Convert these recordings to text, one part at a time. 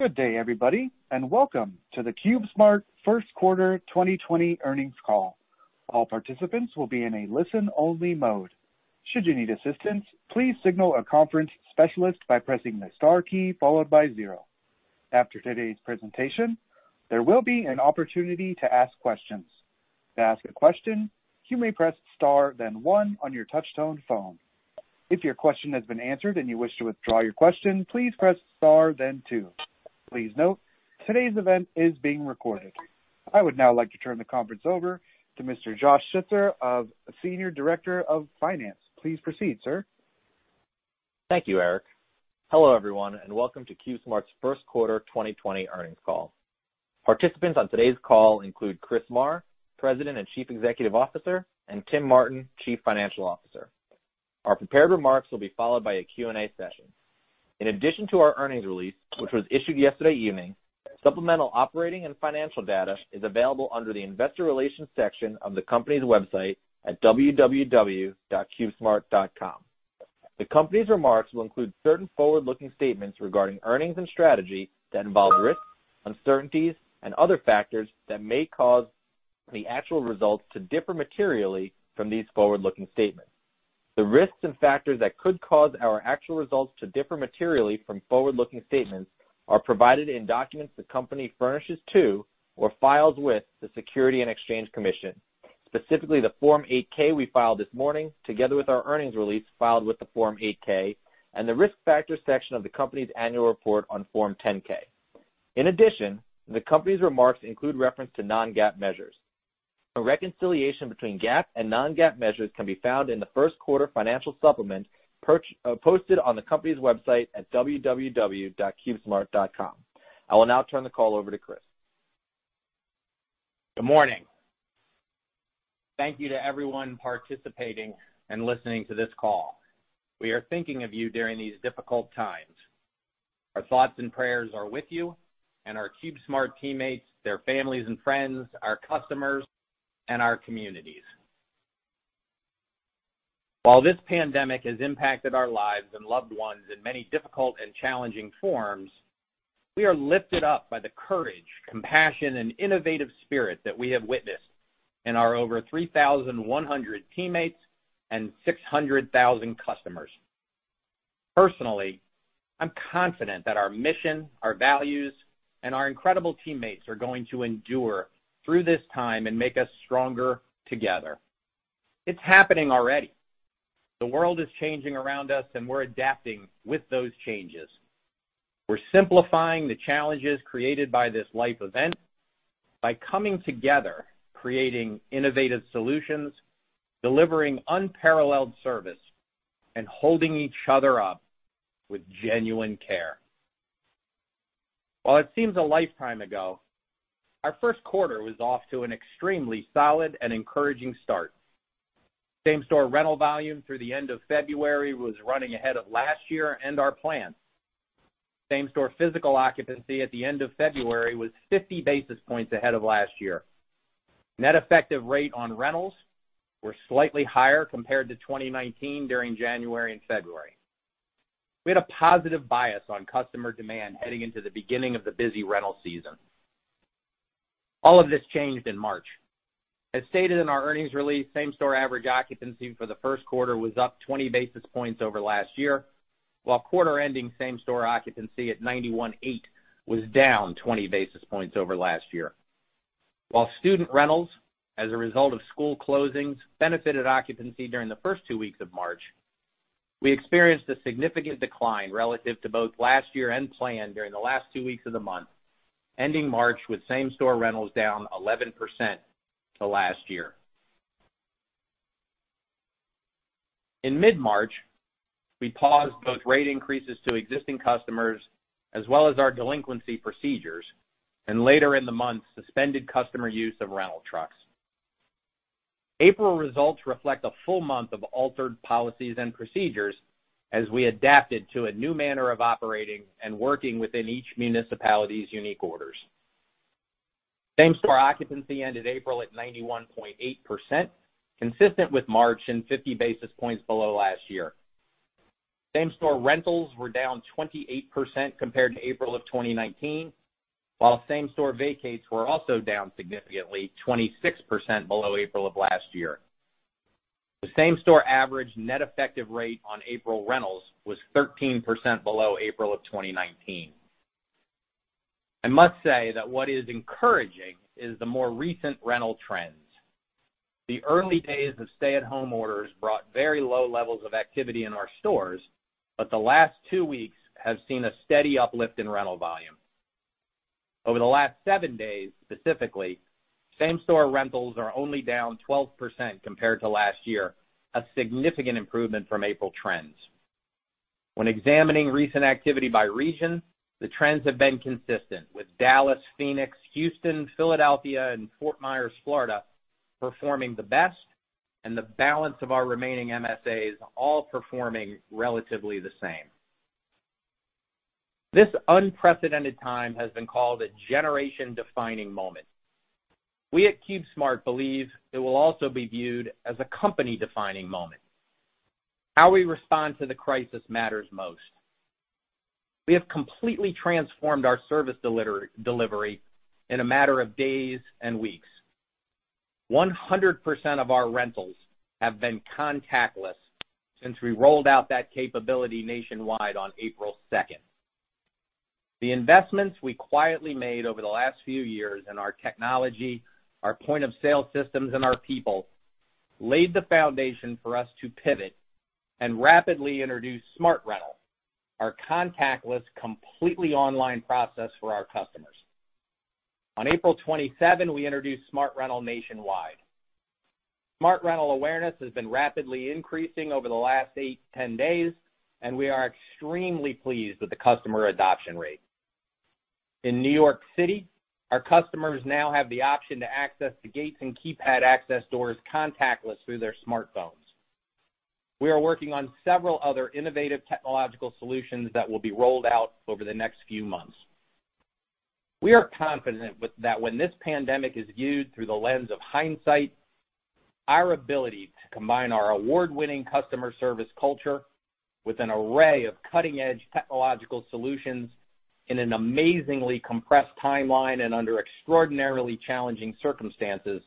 Good day, everybody, and welcome to the CubeSmart first quarter 2020 earnings call. All participants will be in a listen-only mode. Should you need assistance, please signal a conference specialist by pressing the star key followed by zero. After today's presentation, there will be an opportunity to ask questions. To ask a question, you may press star then one on your touch tone phone. If your question has been answered and you wish to withdraw your question, please press star then two. Please note, today's event is being recorded. I would now like to turn the conference over to Mr. Josh Schutzer, Senior Director of Finance. Please proceed, sir. Thank you, Eric. Hello, everyone, and welcome to CubeSmart's first quarter 2020 earnings call. Participants on today's call include Chris Marr, President and Chief Executive Officer, and Tim Martin, Chief Financial Officer. Our prepared remarks will be followed by a Q&A session. In addition to our earnings release, which was issued yesterday evening, supplemental operating and financial data is available under the investor relations section of the company's website at www.cubesmart.com. The company's remarks will include certain forward-looking statements regarding earnings and strategy that involve risks, uncertainties, and other factors that may cause the actual results to differ materially from these forward-looking statements. The risks and factors that could cause our actual results to differ materially from forward-looking statements are provided in documents the company furnishes to or files with the Securities and Exchange Commission, specifically the Form 8-K we filed this morning, together with our earnings release filed with the Form 8-K, and the Risk Factors section of the company's annual report on Form 10-K. In addition, the company's remarks include reference to non-GAAP measures. A reconciliation between GAAP and non-GAAP measures can be found in the first quarter financial supplement posted on the company's website at www.cubesmart.com. I will now turn the call over to Chris. Good morning. Thank you to everyone participating and listening to this call. We are thinking of you during these difficult times. Our thoughts and prayers are with you and our CubeSmart teammates, their families and friends, our customers, and our communities. While this pandemic has impacted our lives and loved ones in many difficult and challenging forms, we are lifted up by the courage, compassion, and innovative spirit that we have witnessed in our over 3,100 teammates and 600,000 customers. Personally, I'm confident that our mission, our values, and our incredible teammates are going to endure through this time and make us stronger together. It's happening already. The world is changing around us, and we're adapting with those changes. We're simplifying the challenges created by this life event by coming together, creating innovative solutions, delivering unparalleled service, and holding each other up with genuine care. While it seems a lifetime ago, our first quarter was off to an extremely solid and encouraging start. Same-store rental volume through the end of February was running ahead of last year and our plan. Same-store physical occupancy at the end of February was 50 basis points ahead of last year. Net effective rate on rentals were slightly higher compared to 2019 during January and February. We had a positive bias on customer demand heading into the beginning of the busy rental season. All of this changed in March. As stated in our earnings release, same-store average occupancy for the first quarter was up 20 basis points over last year, while quarter-ending same-store occupancy at 91.8% was down 20 basis points over last year. While student rentals, as a result of school closings, benefited occupancy during the first two weeks of March, we experienced a significant decline relative to both last year and plan during the last two weeks of the month, ending March with same-store rentals down 11% to last year. In mid-March, we paused both rate increases to existing customers as well as our delinquency procedures, and later in the month, suspended customer use of rental trucks. April results reflect a full month of altered policies and procedures as we adapted to a new manner of operating and working within each municipality's unique orders. Same-store occupancy ended April at 91.8%, consistent with March and 50 basis points below last year. Same-store rentals were down 28% compared to April of 2019, while same-store vacates were also down significantly, 26% below April of last year. The same-store average net effective rate on April rentals was 13% below April of 2019. I must say that what is encouraging is the more recent rental trends. The early days of stay-at-home orders brought very low levels of activity in our stores, but the last two weeks have seen a steady uplift in rental volume. Over the last seven days, specifically, same-store rentals are only down 12% compared to last year, a significant improvement from April trends. When examining recent activity by region, the trends have been consistent, with Dallas, Phoenix, Houston, Philadelphia, and Fort Myers, Florida, performing the best, and the balance of our remaining MSAs all performing relatively the same. This unprecedented time has been called a generation-defining moment. We at CubeSmart believe it will also be viewed as a company-defining moment. How we respond to the crisis matters most. We have completely transformed our service delivery in a matter of days and weeks. 100% of our rentals have been contactless since we rolled out that capability nationwide on April 2nd. The investments we quietly made over the last few years in our technology, our point-of-sale systems, and our people laid the foundation for us to pivot and rapidly introduce SmartRental, our contactless, completely online process for our customers. On April 27, we introduced SmartRental nationwide. SmartRental awareness has been rapidly increasing over the last eight to 10 days, and we are extremely pleased with the customer adoption rate. In New York City, our customers now have the option to access the gates and keypad access doors contactless through their smartphones. We are working on several other innovative technological solutions that will be rolled out over the next few months. We are confident that when this pandemic is viewed through the lens of hindsight, our ability to combine our award-winning customer service culture with an array of cutting-edge technological solutions in an amazingly compressed timeline and under extraordinarily challenging circumstances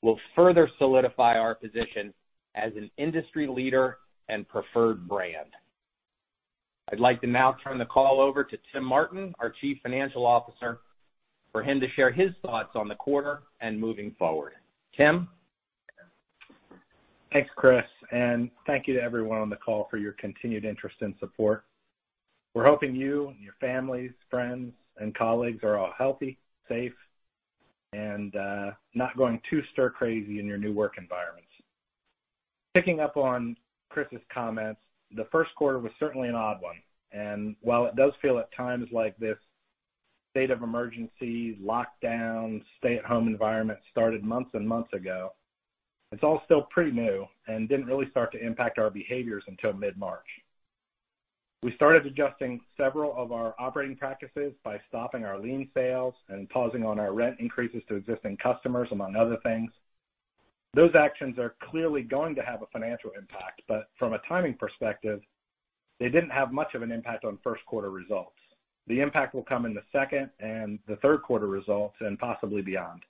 will further solidify our position as an industry leader and preferred brand. I'd like to now turn the call over to Tim Martin, our Chief Financial Officer, for him to share his thoughts on the quarter and moving forward. Tim? Thanks, Chris, and thank you to everyone on the call for your continued interest and support. We're hoping you and your families, friends, and colleagues are all healthy, safe, and not going too stir crazy in your new work environments. Picking up on Chris's comments, the first quarter was certainly an odd one, and while it does feel at times like this state of emergency, lockdown, stay-at-home environment started months and months ago, it's all still pretty new and didn't really start to impact our behaviors until mid-March. We started adjusting several of our operating practices by stopping our lien sales and pausing on our rent increases to existing customers, among other things. Those actions are clearly going to have a financial impact, but from a timing perspective, they didn't have much of an impact on first quarter results. The impact will come in the second and the third quarter results and possibly beyond.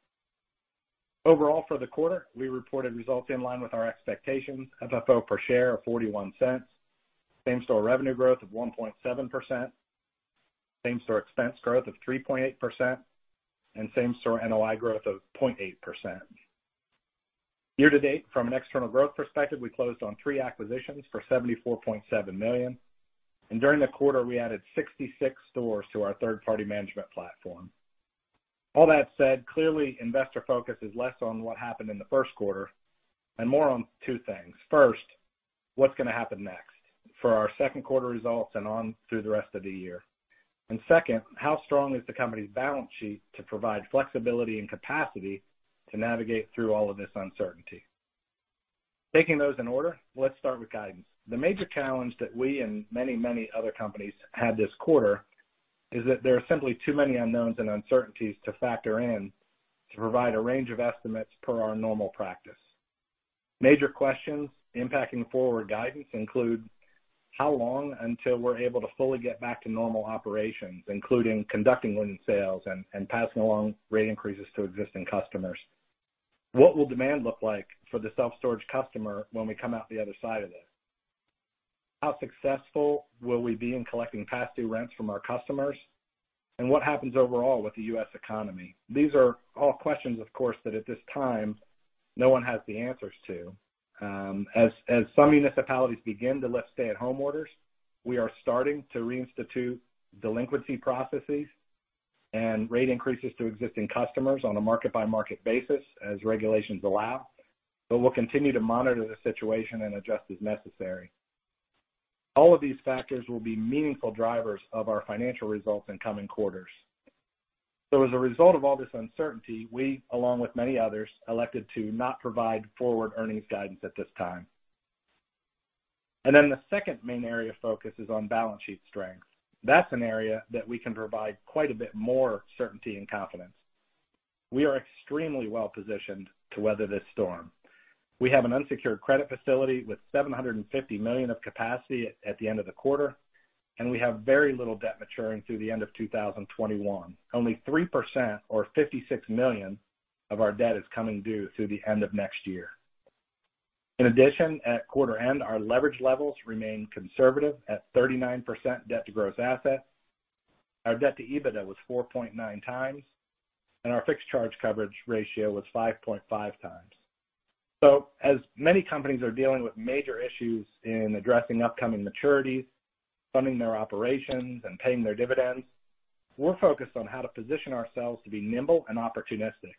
Overall, for the quarter, we reported results in line with our expectations, FFO per share of $0.41, same-store revenue growth of 1.7%, same-store expense growth of 3.8%, and same-store NOI growth of 0.8%. Year-to-date, from an external growth perspective, we closed on three acquisitions for $74.7 million, and during the quarter, we added 66 stores to our third-party management platform. All that said, clearly, investor focus is less on what happened in the first quarter and more on two things. First, what's gonna happen next for our second quarter results and on through the rest of the year? Second, how strong is the company's balance sheet to provide flexibility and capacity to navigate through all of this uncertainty? Taking those in order, let's start with guidance. The major challenge that we and many other companies had this quarter is that there are simply too many unknowns and uncertainties to factor in to provide a range of estimates per our normal practice. Major questions impacting forward guidance include how long until we're able to fully get back to normal operations, including conducting lien sales and passing along rate increases to existing customers? What will demand look like for the self-storage customer when we come out the other side of this? How successful will we be in collecting past-due rents from our customers? What happens overall with the U.S. economy? These are all questions, of course, that at this time, no one has the answers to. As some municipalities begin to lift stay-at-home orders, we are starting to reinstitute delinquency processes and rate increases to existing customers on a market-by-market basis as regulations allow. We'll continue to monitor the situation and adjust as necessary. All of these factors will be meaningful drivers of our financial results in coming quarters. As a result of all this uncertainty, we, along with many others, elected to not provide forward earnings guidance at this time. The second main area of focus is on balance sheet strength. That's an area that we can provide quite a bit more certainty and confidence. We are extremely well-positioned to weather this storm. We have an unsecured credit facility with $750 million of capacity at the end of the quarter, and we have very little debt maturing through the end of 2021. Only 3% or $56 million of our debt is coming due through the end of next year. In addition, at quarter end, our leverage levels remain conservative at 39% debt to gross assets. Our debt to EBITDA was 4.9x, and our fixed charge coverage ratio was 5.5x. As many companies are dealing with major issues in addressing upcoming maturities, funding their operations, and paying their dividends, we're focused on how to position ourselves to be nimble and opportunistic,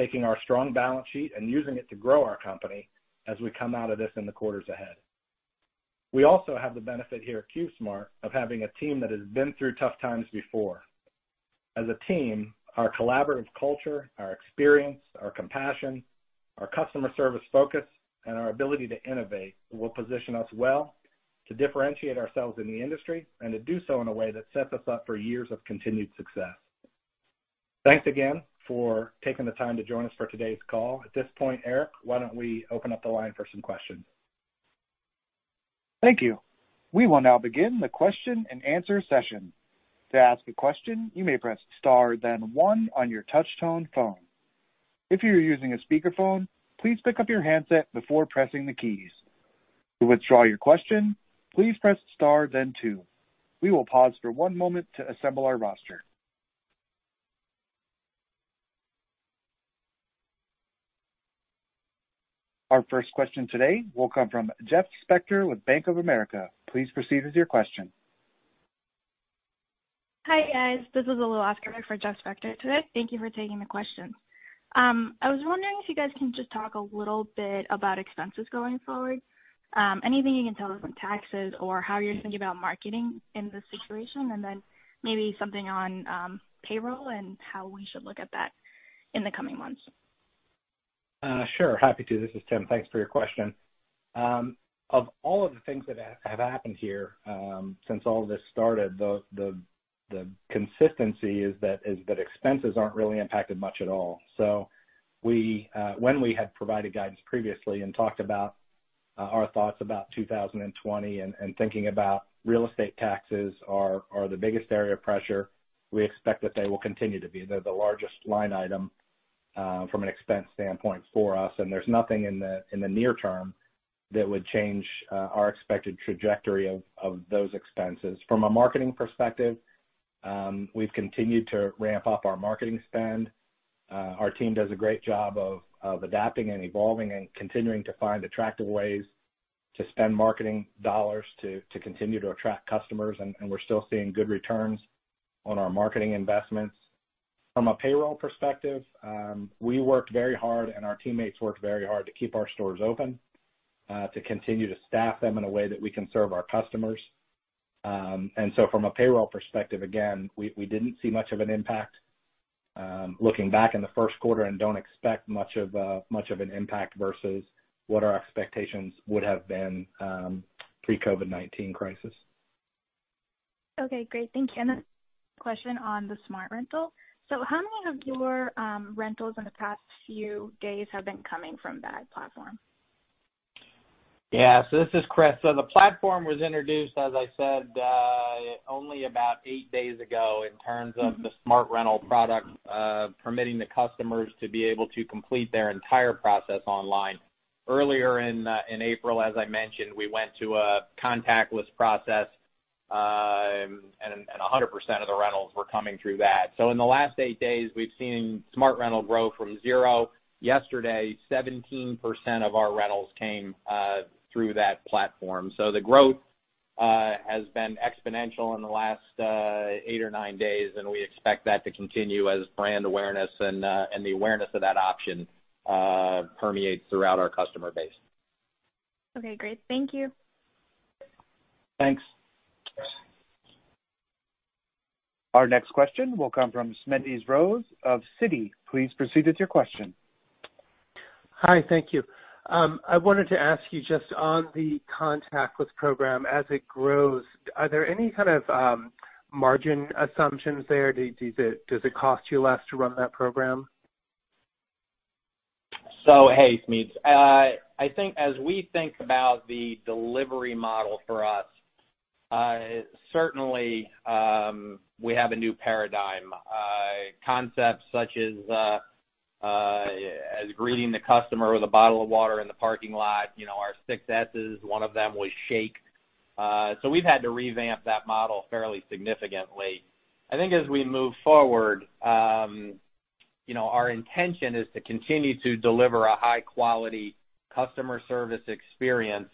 taking our strong balance sheet and using it to grow our company as we come out of this in the quarters ahead. We also have the benefit here at CubeSmart of having a team that has been through tough times before. As a team, our collaborative culture, our experience, our compassion, our customer service focus, and our ability to innovate will position us well to differentiate ourselves in the industry and to do so in a way that sets us up for years of continued success. Thanks again for taking the time to join us for today's call. At this point, Eric, why don't we open up the line for some questions? Thank you. We will now begin the question-and-answer session. To ask a question, you may press star then one on your touch tone phone. If you're using a speakerphone, please pick up your handset before pressing the keys. To withdraw your question, please press star then two. We will pause for one moment to assemble our roster. Our first question today will come from Jeff Spector with Bank of America. Please proceed with your question. Hi, guys. This is Lila Acharya for Jeff Spector today. Thank you for taking the question. I was wondering if you guys can just talk a little bit about expenses going forward. Anything you can tell us on taxes or how you're thinking about marketing in this situation, then maybe something on payroll and how we should look at that in the coming months. Sure. Happy to. This is Tim. Thanks for your question. Of all of the things that have happened here since all of this started, the consistency is that expenses aren't really impacted much at all. When we had provided guidance previously and talked about our thoughts about 2020 and thinking about real estate taxes are the biggest area of pressure, we expect that they will continue to be. They're the largest line item, from an expense standpoint for us, there's nothing in the near term that would change our expected trajectory of those expenses. From a marketing perspective, we've continued to ramp up our marketing spend. Our team does a great job of adapting and evolving and continuing to find attractive ways to spend marketing dollars to continue to attract customers. We're still seeing good returns on our marketing investments. From a payroll perspective, we worked very hard, and our teammates worked very hard to keep our stores open, to continue to staff them in a way that we can serve our customers. From a payroll perspective, again, we didn't see much of an impact, looking back in the first quarter and don't expect much of an impact versus what our expectations would have been pre-COVID-19 crisis. Okay, great. Thank you. A question on the SmartRental. How many of your rentals in the past few days have been coming from that platform? Yeah. This is Chris. The platform was introduced, as I said, only about 8 days ago in terms of the SmartRental product, permitting the customers to be able to complete their entire process online. Earlier in April, as I mentioned, we went to a contactless process, and 100% of the rentals were coming through that. In the last 8 days, we've seen SmartRental grow from zero. Yesterday, 17% of our rentals came through that platform. The growth has been exponential in the last 8 or 9 days, and we expect that to continue as brand awareness and the awareness of that option permeates throughout our customer base. Okay, great. Thank you. Thanks. Our next question will come from Smedes Rose of Citi. Please proceed with your question. Hi. Thank you. I wanted to ask you just on the contactless program as it grows, are there any kind of margin assumptions there? Does it cost you less to run that program? Hey, Smedes. As we think about the delivery model for us, certainly, we have a new paradigm. Concepts such as greeting the customer with a bottle of water in the parking lot. Our six S's, one of them was shake. We've had to revamp that model fairly significantly. I think as we move forward, our intention is to continue to deliver a high-quality customer service experience.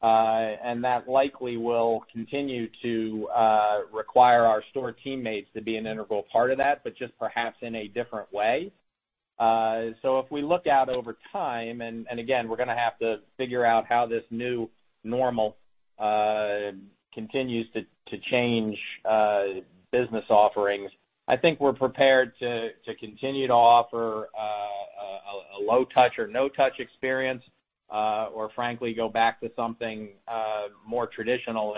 That likely will continue to require our store teammates to be an integral part of that, but just perhaps in a different way. If we look out over time, and again, we're going to have to figure out how this new normal continues to change business offerings. I think we're prepared to continue to offer a low touch or no touch experience, or frankly, go back to something more traditional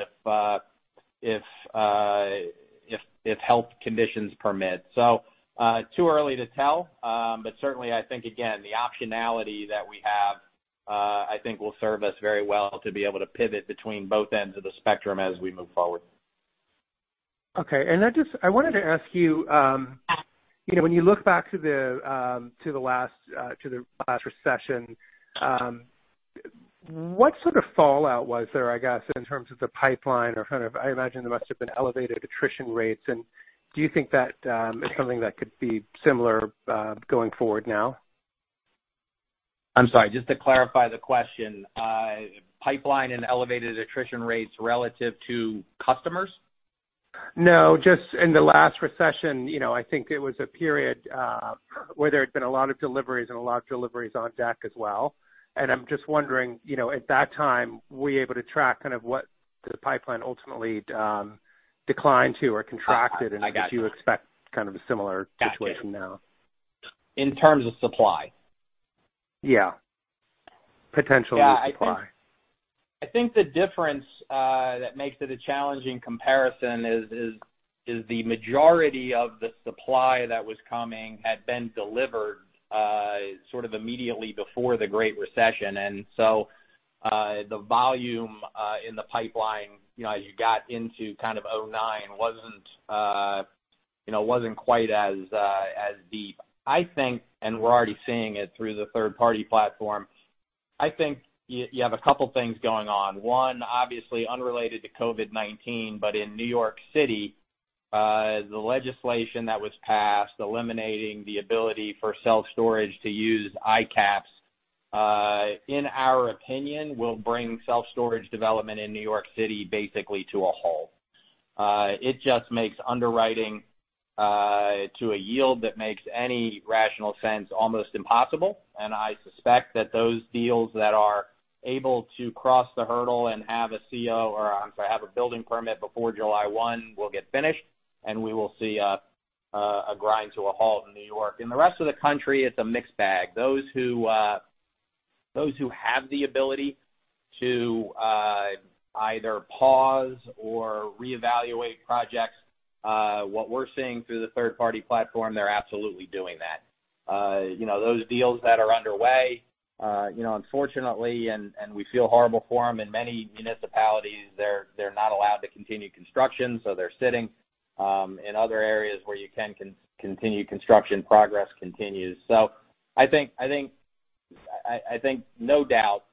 if health conditions permit. Too early to tell. Certainly, I think, again, the optionality that we have, I think will serve us very well to be able to pivot between both ends of the spectrum as we move forward. Okay. I wanted to ask you, when you look back to the last recession, what sort of fallout was there, I guess, in terms of the pipeline or kind of, I imagine there must have been elevated attrition rates. Do you think that is something that could be similar, going forward now? I'm sorry, just to clarify the question. Pipeline and elevated attrition rates relative to customers? No, just in the last recession, I think it was a period, where there had been a lot of deliveries and a lot of deliveries on deck as well. I'm just wondering, at that time, were you able to track kind of what the pipeline ultimately declined to or contracted? I got you. Do you expect kind of a similar situation now? In terms of supply? Yeah. Potential new supply. Yeah. I think the difference that makes it a challenging comparison is the majority of the supply that was coming had been delivered sort of immediately before the Great Recession. The volume in the pipeline as you got into kind of 2009 wasn't quite as deep. I think, we're already seeing it through the third-party platform, I think you have a couple things going on. One, obviously unrelated to COVID-19, in New York City, the legislation that was passed eliminating the ability for self-storage to use ICAPs, in our opinion, will bring self-storage development in New York City basically to a halt. It just makes underwriting to a yield that makes any rational sense almost impossible. I suspect that those deals that are able to cross the hurdle and have an [CR] or, I'm sorry, have a building permit before July 1 will get finished, and we will see a grind to a halt in New York. In the rest of the country, it's a mixed bag. Those who have the ability to either pause or reevaluate projects, what we're seeing through the third-party platform, they're absolutely doing that. Those deals that are underway, unfortunately, and we feel horrible for them, in many municipalities, they're not allowed to continue construction, so they're sitting. In other areas where you can continue construction, progress continues. I think no doubt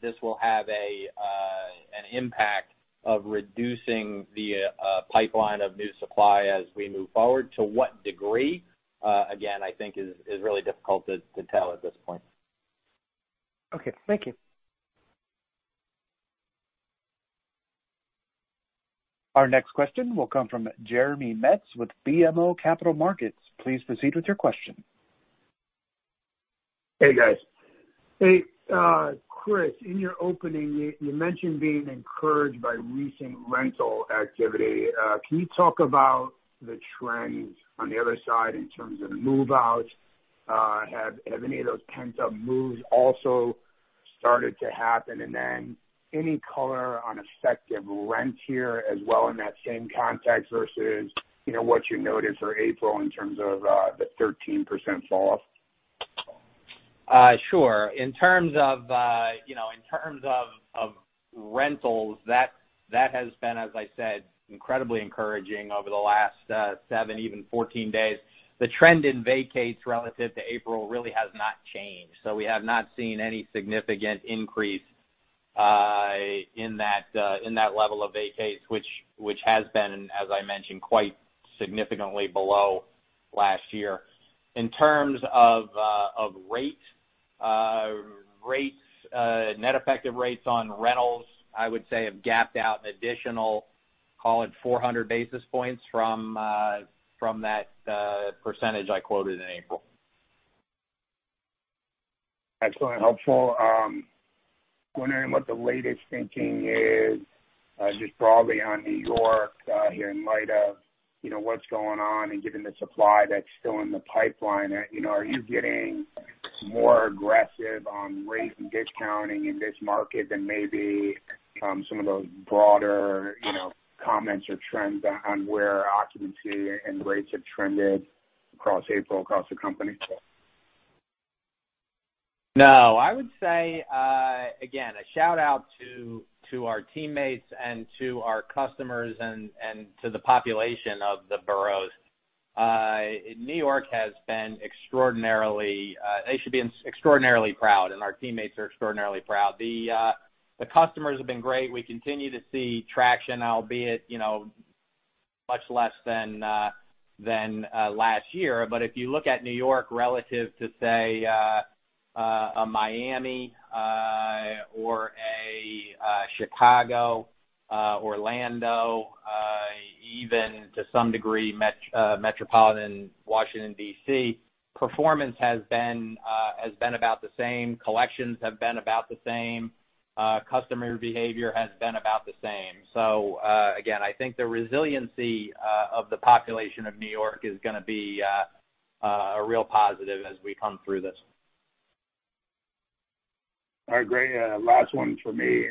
this will have an impact of reducing the pipeline of new supply as we move forward. To what degree, again, I think is really difficult to tell at this point. Okay. Thank you. Our next question will come from Jeremy Metz with BMO Capital Markets. Please proceed with your question. Hey, guys. Hey, Chris, in your opening you mentioned being encouraged by recent rental activity. Can you talk about the trends on the other side in terms of move-outs? Have any of those pent-up moves also started to happen? Any color on effective rents here as well in that same context versus what you noted for April in terms of the 13% fall off? Sure. In terms of rentals, that has been, as I said, incredibly encouraging over the last seven, even 14 days. The trend in vacates relative to April really has not changed. We have not seen any significant increase in that level of vacates, which has been, as I mentioned, quite significantly below last year. In terms of rate, net effective rates on rentals, I would say, have gapped out an additional, call it 400 basis points from that percentage I quoted in April. Excellent. Helpful. I'm wondering what the latest thinking is, just broadly on New York here in light of what's going on and given the supply that's still in the pipeline. Are you getting more aggressive on rates and discounting in this market than maybe some of those broader comments or trends on where occupancy and rates have trended across April across the company? No. I would say, again, a shout-out to our teammates and to our customers and to the population of the boroughs. They should be extraordinarily proud, our teammates are extraordinarily proud. The customers have been great. We continue to see traction, albeit much less than last year. If you look at New York relative to, say, a Miami or a Chicago, Orlando, even to some degree metropolitan Washington, D.C., performance has been about the same, collections have been about the same, customer behavior has been about the same. Again, I think the resiliency of the population of New York is going to be a real positive as we come through this. All right, great. Last one for me.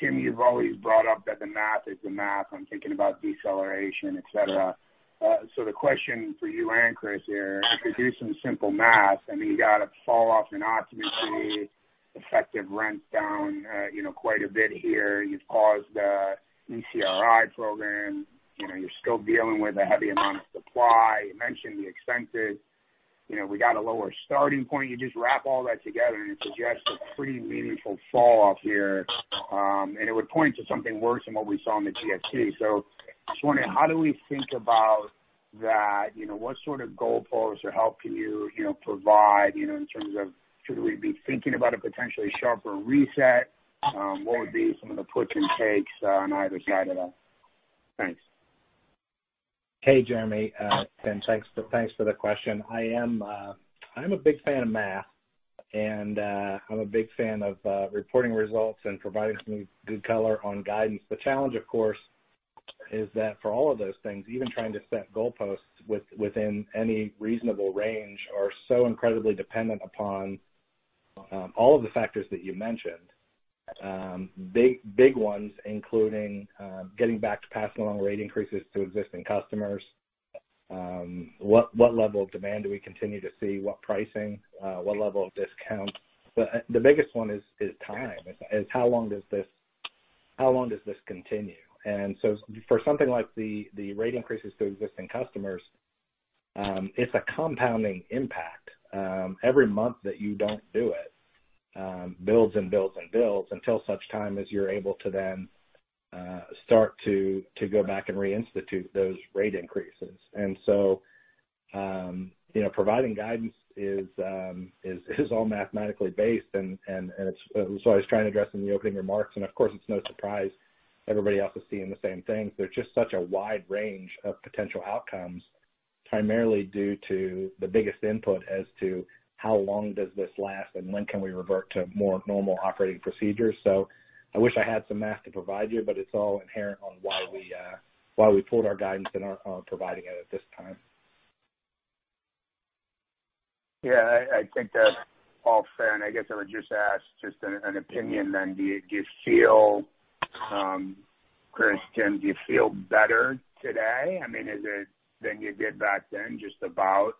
Tim, you've always brought up that the math is the math. I'm thinking about deceleration, et cetera. The question for you and Chris here, if you do some simple math, you got a fall off in occupancy, effective rents down quite a bit here. You've paused the ECRI program. You're still dealing with a heavy amount of supply. You mentioned the expenses. We got a lower starting point. You just wrap all that together and it suggests a pretty meaningful fall off here, and it would point to something worse than what we saw in the GFC. Just wondering, how do we think about that? What sort of goalposts or help can you provide in terms of should we be thinking about a potentially sharper reset? What would be some of the puts and takes on either side of that? Thanks. Hey, Jeremy. Thanks for the question. I'm a big fan of math, and I'm a big fan of reporting results and providing some good color on guidance. The challenge, of course, is that for all of those things, even trying to set goalposts within any reasonable range are so incredibly dependent upon all of the factors that you mentioned. Big ones, including getting back to passing along rate increases to existing customers. What level of demand do we continue to see? What pricing? What level of discount? The biggest one is time. Is how long does this continue? For something like the rate increases to existing customers, it's a compounding impact. Every month that you don't do it, builds and builds until such time as you're able to then start to go back and reinstitute those rate increases. Providing guidance is all mathematically based and so I was trying to address in the opening remarks, and of course, it's no surprise everybody else is seeing the same things. There's just such a wide range of potential outcomes, primarily due to the biggest input as to how long does this last and when can we revert to more normal operating procedures. I wish I had some math to provide you, but it's all inherent on why we pulled our guidance and are providing it at this time. Yeah. I think that's all fair. I guess I would just ask just an opinion then. Do you feel, Chris, do you feel better today? I mean, is it than you did back then, just about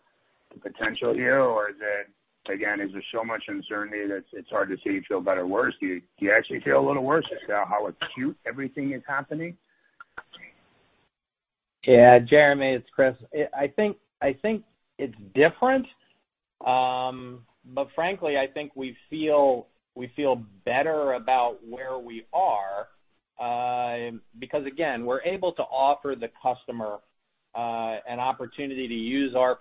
the potential here? Is it, again, is there so much uncertainty that it's hard to say you feel better or worse? Do you actually feel a little worse just how acute everything is happening? Yeah, Jeremy, it's Chris. I think it's different. Frankly, I think we feel better about where we are, because again, we're able to offer the customer an opportunity to use our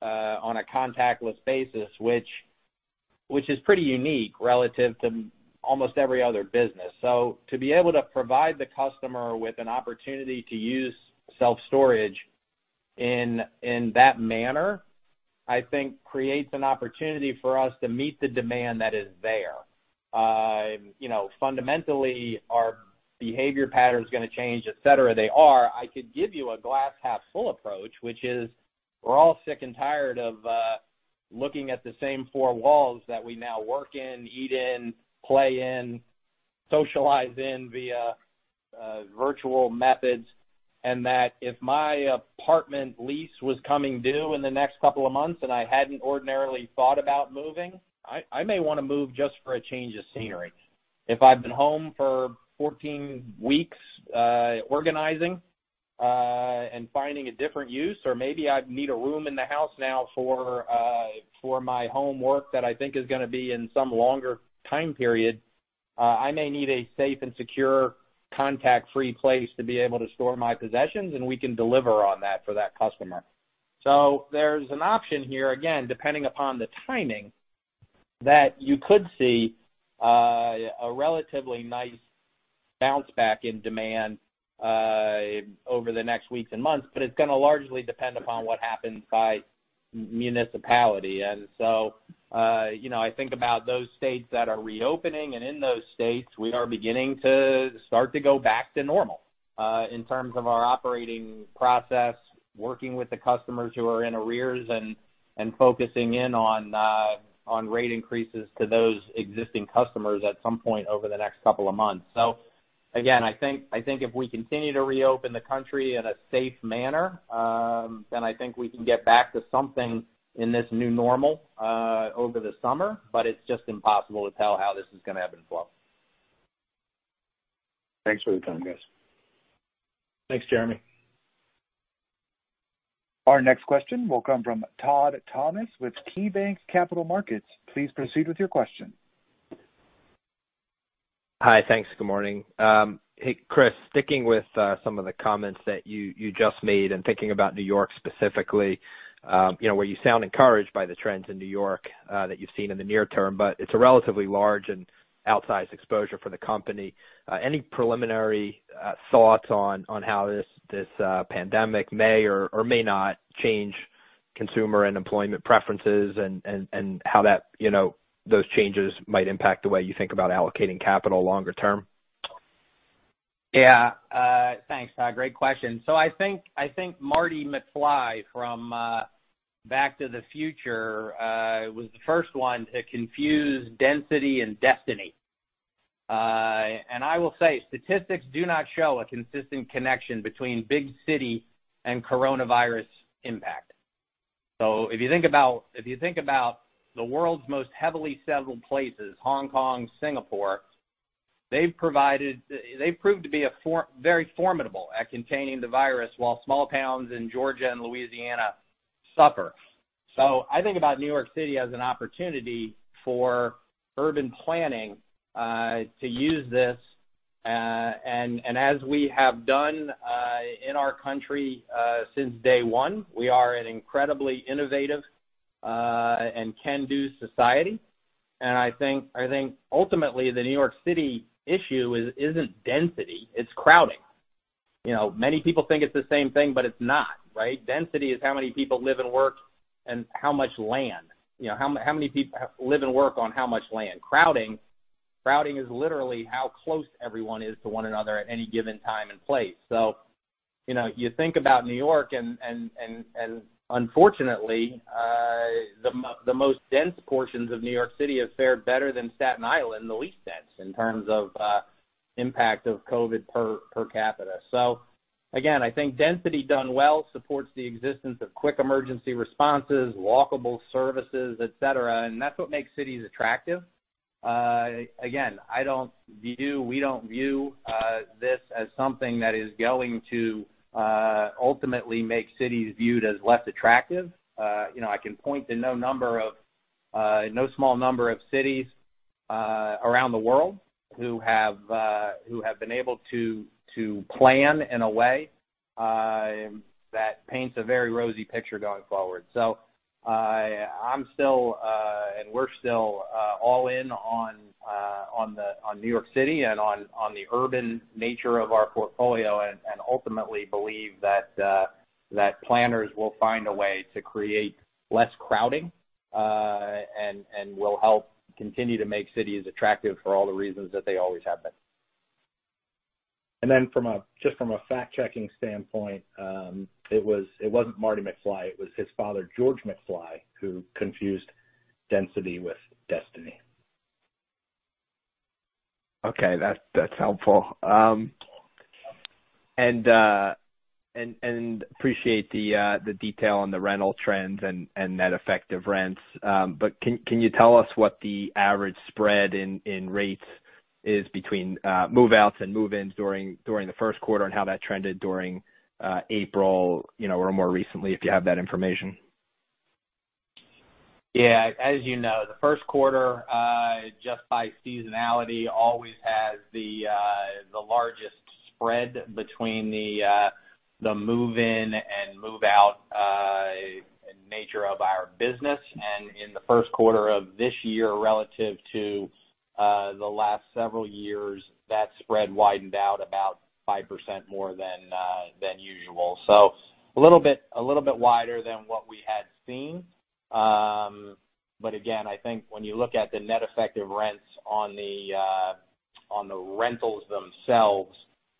product on a contactless basis, which is pretty unique relative to almost every other business. To be able to provide the customer with an opportunity to use self-storage in that manner, I think creates an opportunity for us to meet the demand that is there. Fundamentally, are behavior patterns going to change, et cetera? They are. I could give you a glass half full approach, which is we're all sick and tired of looking at the same four walls that we now work in, eat in, play in, socialize in via virtual methods, and that if my apartment lease was coming due in the next couple of months and I hadn't ordinarily thought about moving, I may want to move just for a change of scenery. If I've been home for 14 weeks organizing and finding a different use, or maybe I need a room in the house now for my homework that I think is going to be in some longer time period, I may need a safe and secure contact-free place to be able to store my possessions, and we can deliver on that for that customer. There's an option here, again, depending upon the timing, that you could see a relatively nice bounce back in demand over the next weeks and months, but it's going to largely depend upon what happens by municipality. I think about those states that are reopening, and in those states, we are beginning to start to go back to normal in terms of our operating process, working with the customers who are in arrears and focusing in on rate increases to those existing customers at some point over the next couple of months. Again, I think if we continue to reopen the country in a safe manner, then I think we can get back to something in this new normal over the summer. It's just impossible to tell how this is going to ebb and flow. Thanks for the time, guys. Thanks, Jeremy. Our next question will come from Todd Thomas with KeyBanc Capital Markets. Please proceed with your question. Hi. Thanks. Good morning. Hey, Chris, sticking with some of the comments that you just made and thinking about New York specifically, where you sound encouraged by the trends in New York that you've seen in the near term, but it's a relatively large and outsized exposure for the company. Any preliminary thoughts on how this pandemic may or may not change consumer and employment preferences and how those changes might impact the way you think about allocating capital longer term? Yeah. Thanks, Great question. I think Marty McFly from Back to the Future was the first one to confuse density and destiny. I will say, statistics do not show a consistent connection between big city and coronavirus impact. If you think about the world's most heavily settled places, Hong Kong, Singapore, they've proved to be very formidable at containing the virus while small towns in Georgia and Louisiana suffer. I think about New York City as an opportunity for urban planning to use this and as we have done in our country since day one, we are an incredibly innovative and can-do society. I think ultimately the New York City issue isn't density, it's crowding. Many people think it's the same thing, but it's not, right? Density is how many people live and work on how much land. Crowding is literally how close everyone is to one another at any given time and place. You think about New York, and unfortunately, the most dense portions of New York City have fared better than Staten Island, the least dense, in terms of impact of COVID-19 per capita. Again, I think density done well supports the existence of quick emergency responses, walkable services, et cetera, and that's what makes cities attractive. We don't view this as something that is going to ultimately make cities viewed as less attractive. I can point to no small number of cities around the world who have been able to plan in a way that paints a very rosy picture going forward. I'm still, and we're still all in on New York City and on the urban nature of our portfolio, and ultimately believe that planners will find a way to create less crowding, and will help continue to make cities attractive for all the reasons that they always have been. Then just from a fact-checking standpoint, it wasn't Marty McFly, it was his father, George McFly, who confused density with destiny. Okay. That's helpful. Appreciate the detail on the rental trends and net effective rents. Can you tell us what the average spread in rates is between move-outs and move-ins during the first quarter, and how that trended during April, or more recently, if you have that information? Yeah. As you know, the first quarter, just by seasonality, always has the largest spread between the move-in and move-out nature of our business. In the first quarter of this year, relative to the last several years, that spread widened out about 5% more than usual. A little bit wider than what we had seen. Again, I think when you look at the net effective rents on the rentals themselves,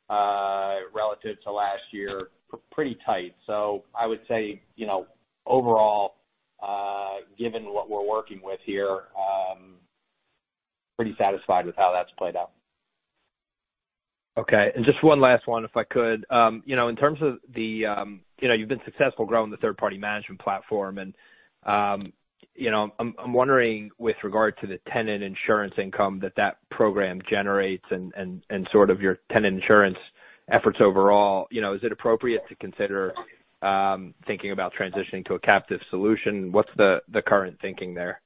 relative to last year, pretty tight. I would say, overall, given what we're working with here, pretty satisfied with how that's played out. Okay. Just one last one, if I could. You've been successful growing the third-party management platform, and I'm wondering with regard to the tenant insurance income that that program generates and sort of your tenant insurance efforts overall, is it appropriate to consider thinking about transitioning to a captive solution? What's the current thinking there?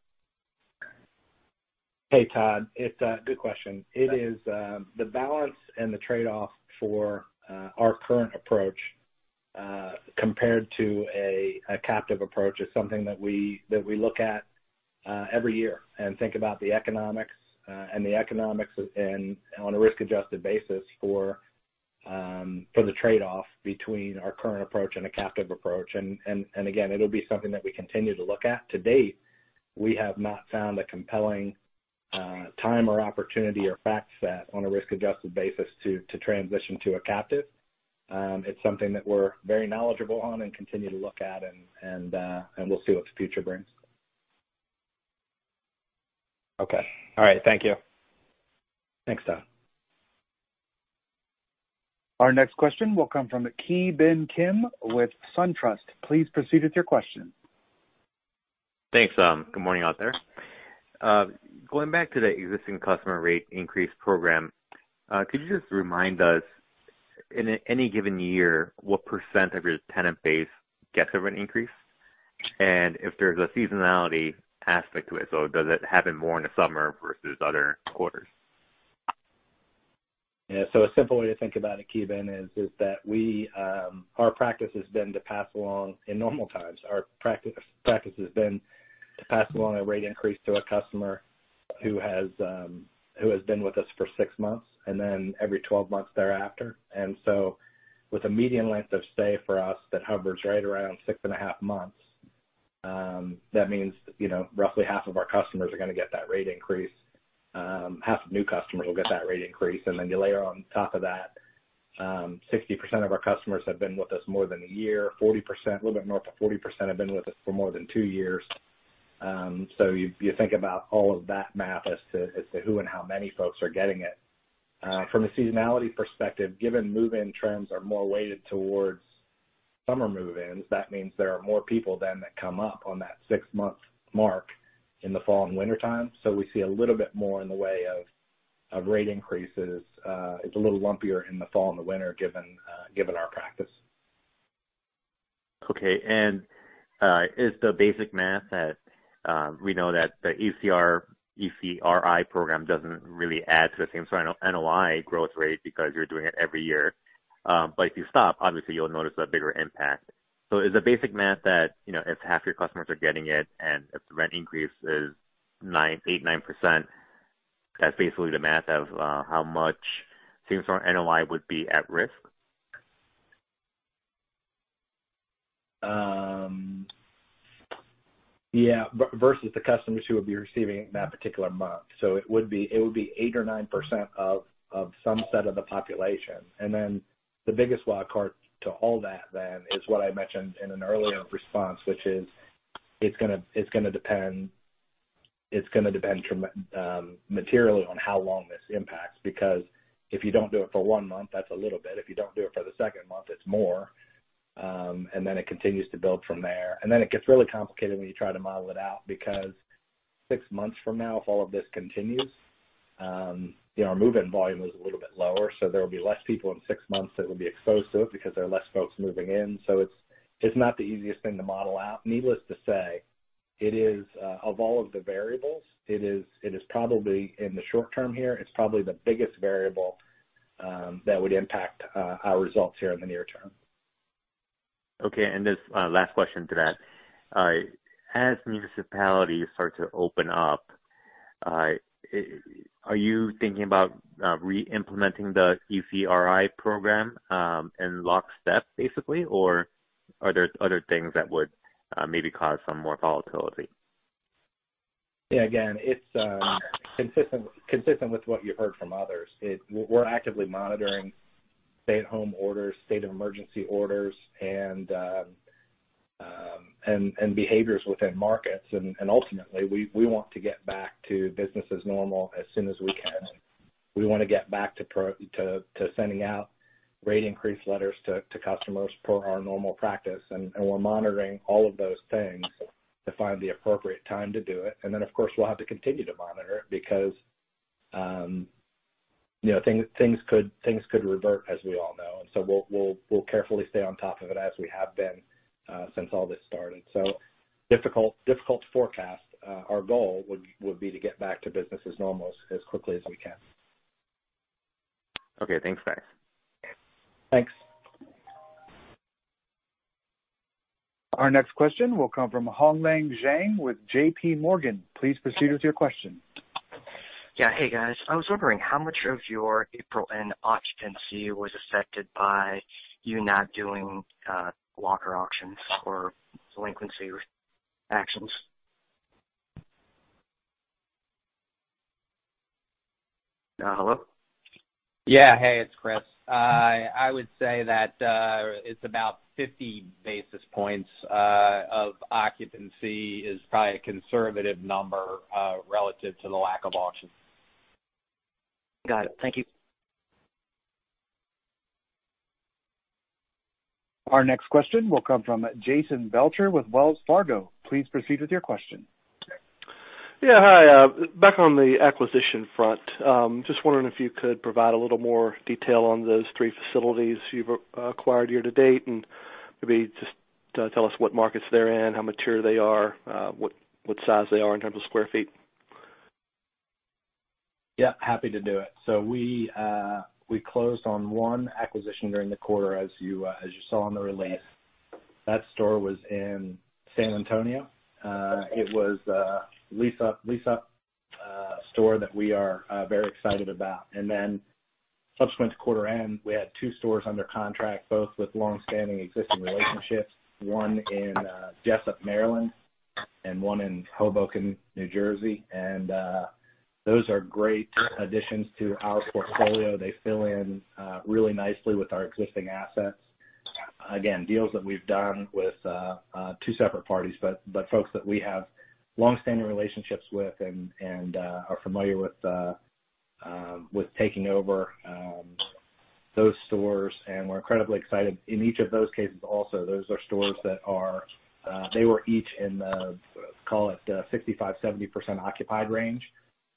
Hey, Todd. It's a good question. The balance and the trade-off for our current approach compared to a captive approach is something that we look at every year and think about the economics on a risk-adjusted basis for the trade-off between our current approach and a captive approach. Again, it'll be something that we continue to look at. To-date, we have not found a compelling time or opportunity or fact set on a risk-adjusted basis to transition to a captive. It's something that we're very knowledgeable on and continue to look at, and we'll see what the future brings. Okay. All right. Thank you. Thanks, Todd. Our next question will come from Ki Bin Kim with SunTrust. Please proceed with your question. Thanks. Good morning out there. Going back to the existing customer rate increase program, could you just remind us, in any given year, what percent of your tenant base gets a rent increase, and if there's a seasonality aspect to it? Does it happen more in the summer versus other quarters? A simple way to think about it, Ki Bin, is that our practice has been to pass along, in normal times, our practice has been to pass along a rate increase to a customer who has been with us for six months, and then every 12 months thereafter. With a median length of stay for us that hovers right around 6.5 months, that means roughly half of our customers are going to get that rate increase. Half of new customers will get that rate increase, you layer on top of that, 60% of our customers have been with us more than a year. 40%, a little bit more up to 40%, have been with us for more than two years. You think about all of that math as to who and how many folks are getting it. From a seasonality perspective, given move-in trends are more weighted towards summer move-ins, that means there are more people then that come up on that six-month mark in the fall and wintertime. We see a little bit more in the way of rate increases. It's a little lumpier in the fall and the winter, given our practice. Okay. Is the basic math that we know that the ICAP program doesn't really add to the same sort of NOI growth rate because you're doing it every year. If you stop, obviously you'll notice a bigger impact. Is the basic math that if half your customers are getting it and if the rent increase is 8%, 9%, that's basically the math of how much same-store NOI would be at risk? Yeah. Versus the customers who would be receiving that particular month. It would be 8% or 9% of some set of the population. The biggest wild card to all that then is what I mentioned in an earlier response, which is, it's going to depend materially on how long this impacts, because if you don't do it for one month, that's a little bit. If you don't do it for the second month, it's more, and then it continues to build from there. It gets really complicated when you try to model it out, because six months from now, if all of this continues, our move-in volume is a little bit lower, so there will be less people in six months that will be exposed to it because there are less folks moving in. It's not the easiest thing to model out. Needless to say, of all of the variables, in the short term here, it's probably the biggest variable that would impact our results here in the near term. Okay. This last question to that. As municipalities start to open up, are you thinking about re-implementing the ECRI program in lockstep, basically, or are there other things that would maybe cause some more volatility? Yeah. Again, it's consistent with what you heard from others. We're actively monitoring stay-at-home orders, state of emergency orders, and behaviors within markets. Ultimately, we want to get back to business as normal as soon as we can. We want to get back to sending out rate increase letters to customers per our normal practice. We're monitoring all of those things to find the appropriate time to do it. Of course, we'll have to continue to monitor it because things could revert, as we all know. We'll carefully stay on top of it as we have been since all this started. Difficult to forecast. Our goal would be to get back to business as normal as quickly as we can. Okay. Thanks guys. Thanks. Our next question will come from Hongliang Zhang with JPMorgan. Please proceed with your question. Hey, guys. I was wondering how much of your April end occupancy was affected by you not doing locker auctions or delinquency actions? Hello? Yeah. Hey, it's Chris. I would say that it's about 50 basis points of occupancy is probably a conservative number relative to the lack of auction. Got it. Thank you. Our next question will come from Jason Belcher with Wells Fargo. Please proceed with your question. Yeah. Hi. Back on the acquisition front. Just wondering if you could provide a little more detail on those three facilities you've acquired year-to-date, and maybe just tell us what markets they're in, how mature they are, what size they are in terms of square feet. Yeah, happy to do it. We closed on one acquisition during the quarter, as you saw on the release. That store was in San Antonio. It was a lease-up store that we are very excited about. Subsequent to quarter end, we had two stores under contract, both with long-standing existing relationships, one in Jessup, Maryland, and one in Hoboken, New Jersey. Those are great additions to our portfolio. They fill in really nicely with our existing assets. Again, deals that we've done with two separate parties, but folks that we have long-standing relationships with and are familiar with taking over those stores, and we're incredibly excited. In each of those cases also, those are stores that they were each in the, call it, 65%-70% occupied range.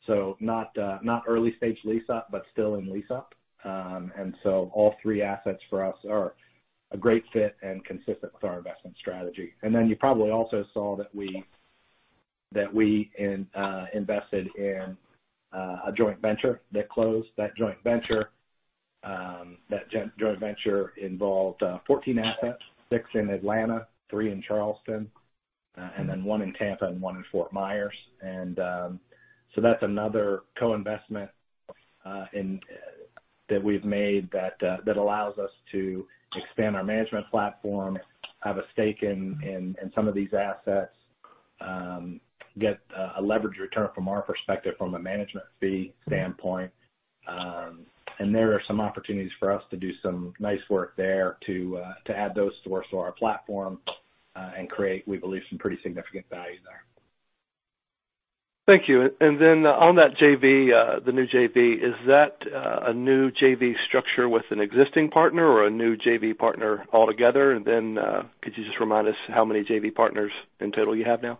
Not early-stage lease-up, but still in lease-up. All three assets for us are a great fit and consistent with our investment strategy. You probably also saw that we invested in a joint venture that closed. That joint venture involved 14 assets, six in Atlanta, three in Charleston, and then one in Tampa and one in Fort Myers. That's another co-investment that we've made that allows us to expand our management platform, have a stake in some of these assets, get a leveraged return from our perspective from a management fee standpoint. There are some opportunities for us to do some nice work there to add those stores to our platform, and create, we believe, some pretty significant value there. Thank you. On that JV, the new JV, is that a new JV structure with an existing partner or a new JV partner altogether? Could you just remind us how many JV partners in total you have now?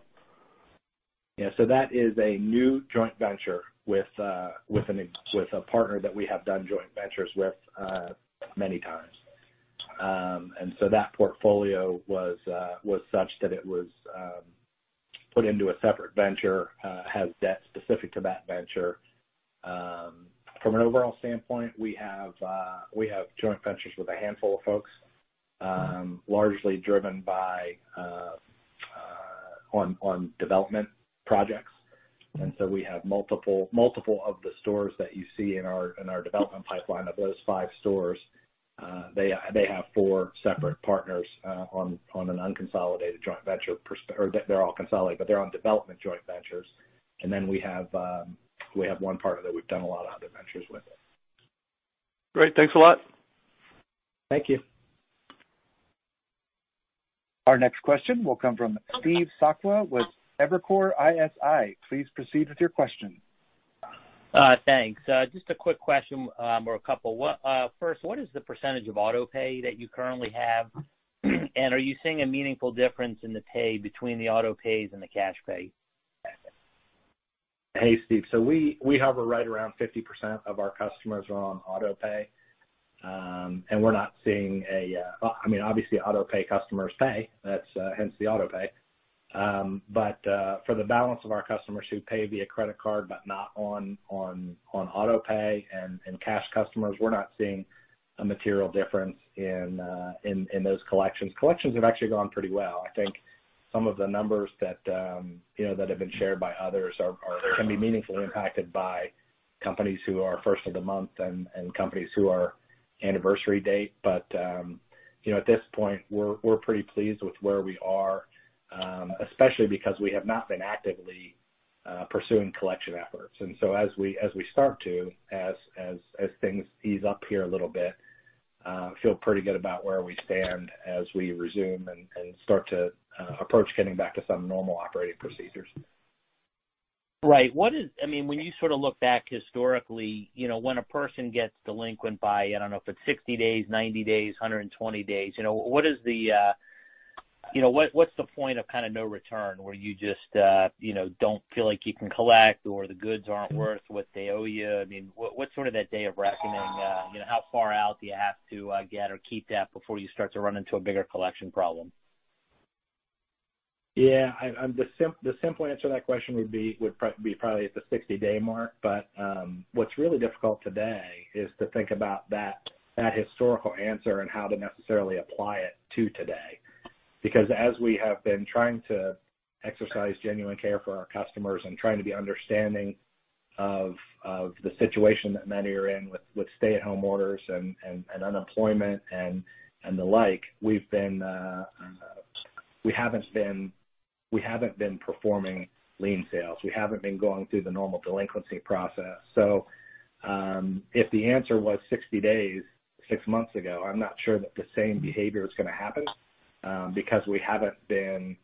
Yeah. That is a new joint venture with a partner that we have done joint ventures with many times. That portfolio was such that it was put into a separate venture, has debt specific to that venture. From an overall standpoint, we have joint ventures with a handful of folks, largely driven on development projects. We have multiple of the stores that you see in our development pipeline of those five stores. They have four separate partners on an unconsolidated joint venture, or they're all consolidated, but they're on development joint ventures. We have one partner that we've done a lot of other ventures with. Great. Thanks a lot. Thank you. Our next question will come from Steve Sakwa with Evercore ISI. Please proceed with your question. Thanks. Just a quick question, or a couple. First, what is the percentage of auto pay that you currently have? Are you seeing a meaningful difference in the pay between the auto pays and the cash pays? Hey, Steve. We have right around 50% of our customers are on auto pay. Well, obviously auto pay customers pay. Hence the auto pay. For the balance of our customers who pay via credit card, but not on auto pay and cash customers, we're not seeing a material difference in those collections. Collections have actually gone pretty well. I think some of the numbers that have been shared by others can be meaningfully impacted by companies who are first of the month and companies who are anniversary date. At this point, we're pretty pleased with where we are, especially because we have not been actively pursuing collection efforts. As things ease up here a little bit, feel pretty good about where we stand as we resume and start to approach getting back to some normal operating procedures. Right. When you sort of look back historically, when a person gets delinquent by, I don't know, if it's 60 days, 90 days, 120 days, what's the point of kind of no return where you just don't feel like you can collect or the goods aren't worth what they owe you? I mean, what's sort of that day of reckoning? How far out do you have to get or keep that before you start to run into a bigger collection problem? The simple answer to that question would be probably at the 60-day mark. What's really difficult today is to think about that historical answer and how to necessarily apply it to today. As we have been trying to exercise genuine care for our customers and trying to be understanding of the situation that many are in with stay-at-home orders and unemployment and the like, we haven't been performing lien sales. We haven't been going through the normal delinquency process. If the answer was 60 days, six months ago, I'm not sure that the same behavior is going to happen, because we haven't been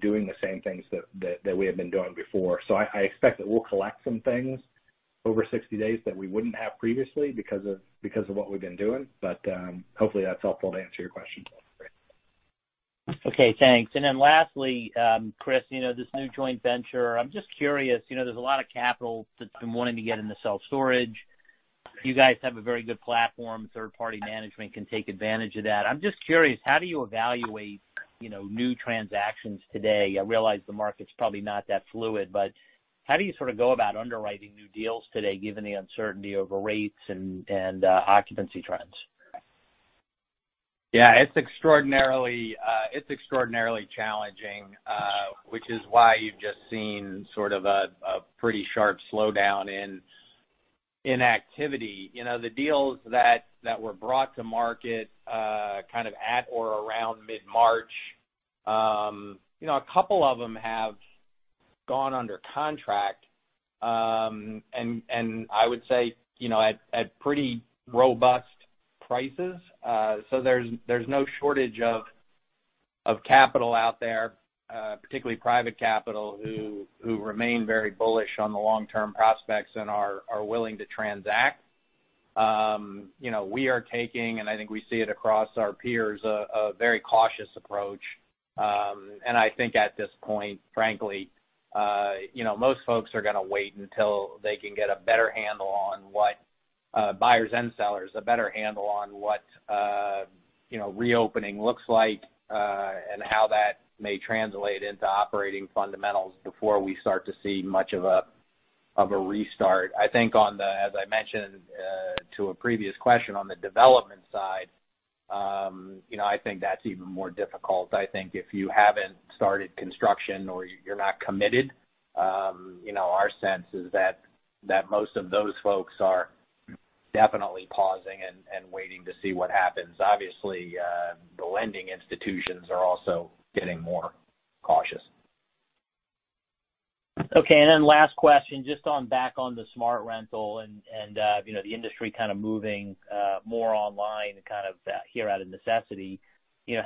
doing the same things that we have been doing before. I expect that we'll collect some things over 60 days that we wouldn't have previously because of what we've been doing. Hopefully that's helpful to answer your question. Okay, thanks. Lastly, Chris, this new joint venture, I'm just curious, there's a lot of capital that's been wanting to get into self-storage. You guys have a very good platform. Third-party management can take advantage of that. I'm just curious, how do you evaluate new transactions today? I realize the market's probably not that fluid, but how do you sort of go about underwriting new deals today given the uncertainty over rates and occupancy trends? Yeah, it's extraordinarily challenging, which is why you've just seen sort of a pretty sharp slowdown in activity. The deals that were brought to market kind of at or around mid-March, a couple of them have gone under contract, and I would say at pretty robust prices. There's no shortage of capital out there, particularly private capital, who remain very bullish on the long-term prospects and are willing to transact. We are taking, and I think we see it across our peers, a very cautious approach. I think at this point, frankly, most folks are going to wait until they can get a better handle on what buyers and sellers, a better handle on what reopening looks like, and how that may translate into operating fundamentals before we start to see much of a restart. I think on the, as I mentioned to a previous question, on the development side, I think that's even more difficult. I think if you haven't started construction or you're not committed, our sense is that most of those folks are definitely pausing and waiting to see what happens. Obviously, the lending institutions are also getting more cautious. Last question, just on back on the SmartRental and the industry kind of moving more online kind of here out of necessity.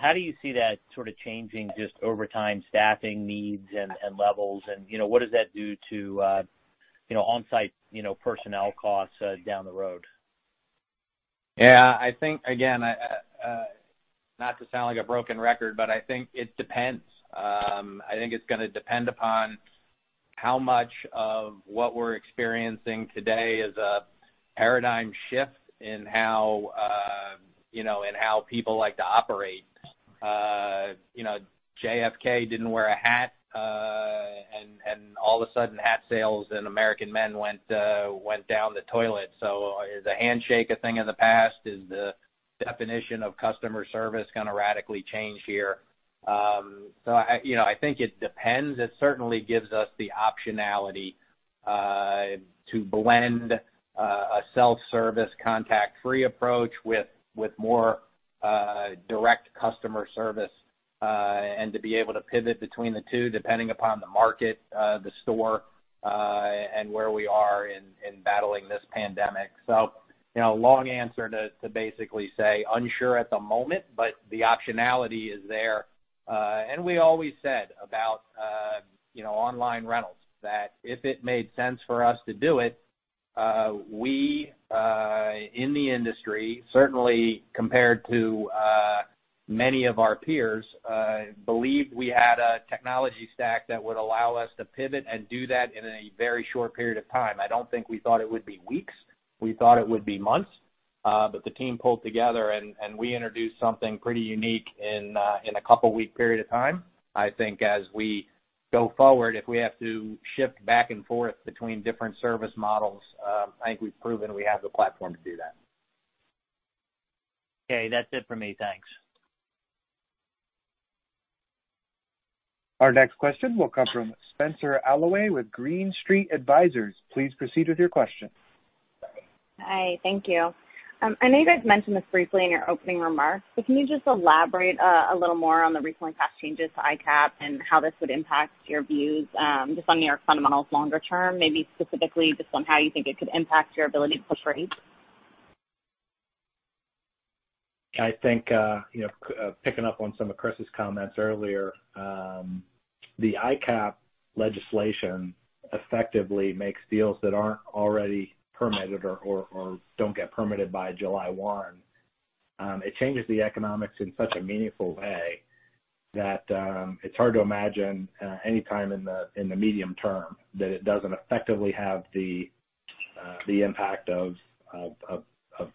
How do you see that sort of changing just over time staffing needs and levels and what does that do to onsite personnel costs down the road? I think, again, not to sound like a broken record, I think it depends. I think it is going to depend upon how much of what we are experiencing today is a paradigm shift in how people like to operate. JFK didn't wear a hat, all of a sudden hat sales in American men went down the toilet. Is a handshake a thing of the past? Is the definition of customer service going to radically change here? I think it depends. It certainly gives us the optionality to blend a self-service, contact-free approach with more direct customer service, and to be able to pivot between the two, depending upon the market, the store, and where we are in battling this pandemic. Long answer to basically say unsure at the moment, the optionality is there. We always said about online rentals, that if it made sense for us to do it, we in the industry, certainly compared to many of our peers, believed we had a technology stack that would allow us to pivot and do that in a very short period of time. I don't think we thought it would be weeks. We thought it would be months. The team pulled together, and we introduced something pretty unique in a couple week period of time. I think as we go forward, if we have to shift back and forth between different service models, I think we've proven we have the platform to do that. Okay. That's it for me. Thanks. Our next question will come from Spenser Allaway with Green Street Advisors. Please proceed with your question. Hi. Thank you. I know you guys mentioned this briefly in your opening remarks, but can you just elaborate a little more on the recently passed changes to ICAP and how this would impact your views, just on New York fundamentals longer term? Maybe specifically just on how you think it could impact your ability to push rates. I think, picking up on some of Chris's comments earlier, the ICAP legislation effectively makes deals that aren't already permitted or don't get permitted by July 1. It changes the economics in such a meaningful way that it's hard to imagine any time in the medium term that it doesn't effectively have the impact of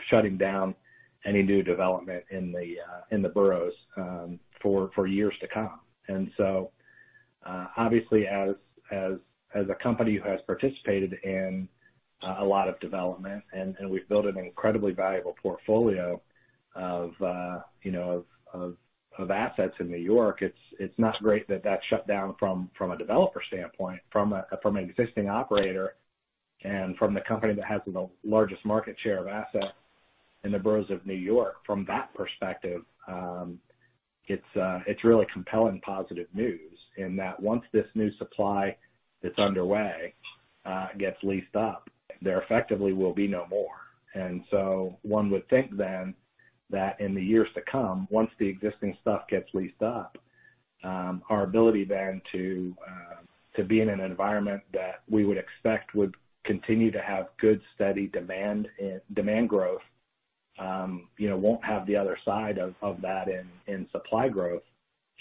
shutting down any new development in the boroughs for years to come. Obviously, as a company who has participated in a lot of development and we've built an incredibly valuable portfolio of assets in New York, it's not great that that's shut down from a developer standpoint, from an existing operator and from the company that has the largest market share of assets in the boroughs of New York. From that perspective, it's really compelling positive news in that once this new supply that's underway gets leased up, there effectively will be no more. One would think then that in the years to come, once the existing stuff gets leased up, our ability then to be in an environment that we would expect would continue to have good, steady demand growth won't have the other side of that in supply growth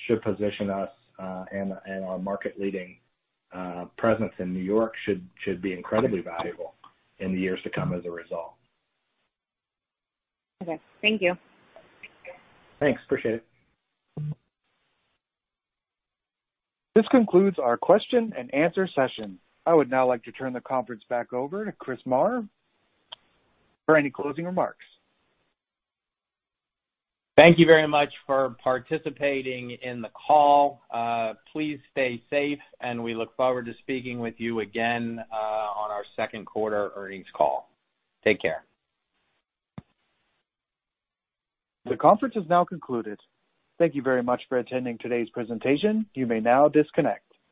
should position us. Our market leading presence in New York should be incredibly valuable in the years to come as a result. Okay. Thank you. Thanks. Appreciate it. This concludes our question-and-answer session. I would now like to turn the conference back over to Chris Marr for any closing remarks. Thank you very much for participating in the call. Please stay safe, and we look forward to speaking with you again on our second quarter earnings call. Take care. The conference has now concluded. Thank you very much for attending today's presentation. You may now disconnect.